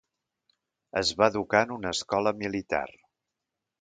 Es va educar en una escola militar.